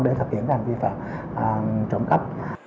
để thực hiện cái hành vi phạm trộm cấp